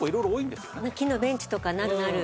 木のベンチとかなるなる。